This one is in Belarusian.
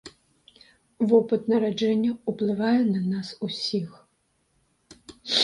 Вопыт нараджэння ўплывае на нас усіх.